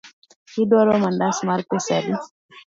Iduaro mandas mar pesa adi?